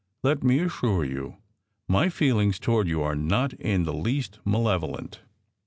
Let me assure you, my feelings toward you are not in the least malevolent."